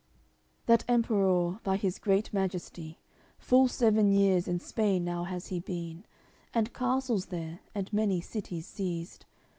CLXXXIX That Emperour, by his great Majesty, I Full seven years in Spain now has he been, And castles there, and many cities seized.